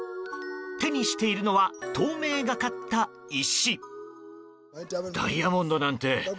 手にしているのは透明がかった石。